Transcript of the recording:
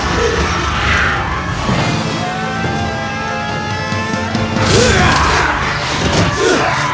dari tadi kakak ngomong terus